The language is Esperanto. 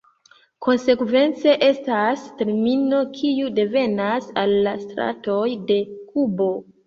Konsekvence estas termino, kiu devenas el la stratoj de Kubo.